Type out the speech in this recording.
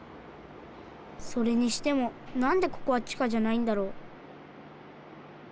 それにしてもなんでここは地下じゃないんだろう？